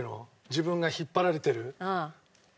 自分が引っ張られてる。